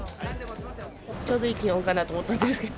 ちょうどいい気温かなと思ったんですけど。